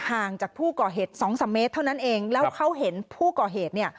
ห่างจากผู้ก่อเหตุสองสามเมตรเท่านั้นเองแล้วเขาเห็นผู้ก่อเหตุเนี่ย